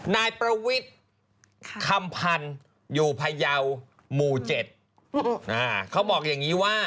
นายประวิทย์คำพันธ์อยู่พยาวหมู่๗เขาบอกอย่างนี้ว่า